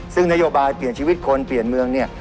ซึ่งนโยบายเปลี่ยนชีวิตคนเปลี่ยนเมืองเนี่ย